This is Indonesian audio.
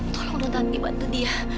tolong tante tanti bantu dia